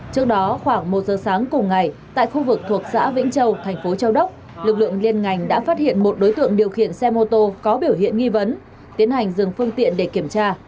trước đó khoảng một giờ sáng cùng ngày tại khu vực thuộc xã vĩnh châu thành phố châu đốc lực lượng liên ngành đã phát hiện một đối tượng điều khiển xe mô tô có biểu hiện nghi vấn tiến hành dừng phương tiện để kiểm tra